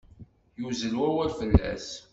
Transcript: Yuzzel wawal fell-as.